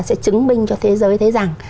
sẽ chứng minh cho thế giới thấy rằng